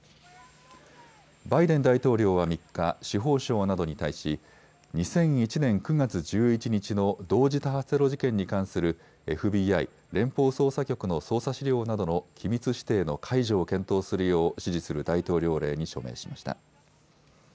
バイデン大統領は３日、司法省などに対し２００１年９月１１日の同時多発テロ事件に関するＦＢＩ・連邦捜査局の捜査資料などの機密指定の解除を検討するよう指示する大統領令に署名しました。